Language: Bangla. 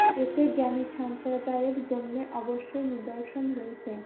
এতে জ্ঞানী সম্প্রদায়ের জন্যে অবশ্যই নিদর্শন রয়েছে।